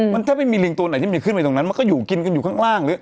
มันถ้าไม่มีลิงตัวไหนที่มันขึ้นไปตรงนั้นมันก็อยู่กินกันอยู่ข้างล่างหรือ